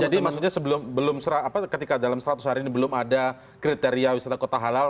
jadi maksudnya sebelum belum serah apa ketika dalam seratus hari ini belum ada kriteria wisata kota halal